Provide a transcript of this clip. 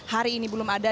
hari ini belum ada